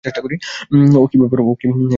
ওহ, কী ব্যাপার?